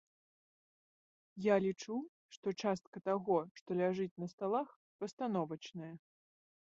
Я лічу, што частка таго, што ляжыць на сталах, пастановачная.